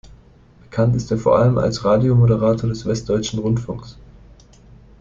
Bekannt ist er vor allem als Radiomoderator des Westdeutschen Rundfunks.